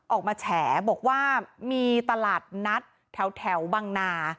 ออกมาแฉบอกว่ามีตลาดนัดแถวบังนา